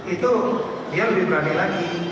itu dia lebih berani lagi